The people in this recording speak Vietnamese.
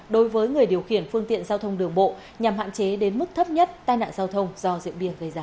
đối với người điều khiển phương tiện giao thông đường bộ nhằm hạn chế đến mức thấp nhất tai nạn giao thông do rượu bia gây ra